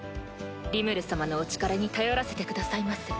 リムル様のお力に頼らせてくださいませ。